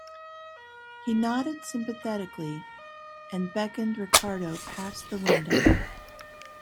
He nodded sympathetically, and beckoned Ricardo past the window.